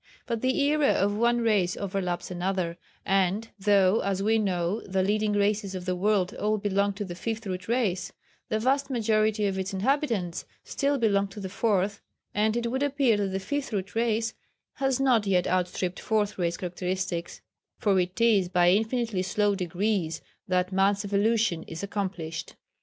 But the era of one race overlaps another, and though, as we know, the leading races of the world all belong to the Fifth Root Race, the vast majority of its inhabitants still belong to the Fourth, and it would appear that the Fifth Root Race has not yet outstripped Fourth Race characteristics, for it is by infinitely slow degrees that man's evolution is accomplished.